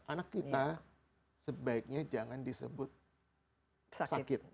anak kita sebaiknya jangan disebut sakit